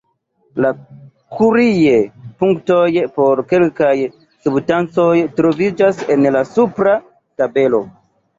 La Curie-punktoj por kelkaj substancoj troviĝas en la supra tabelo.